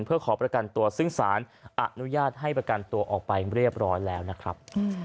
เพื่อขอประกันตัวซึ่งสารอนุญาตให้ประกันตัวออกไปเรียบร้อยแล้วนะครับ